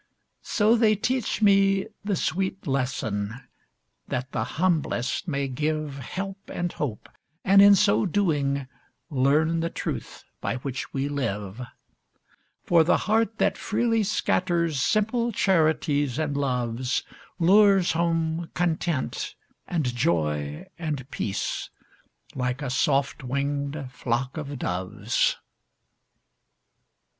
So, they teach me the sweet lesson, That the humblest may give Help and hope, and in so doing, Learn the truth by which we live; For the heart that freely scatters Simple charities and loves, Lures home content, and joy, and peace, Like a soft winged flock of doves.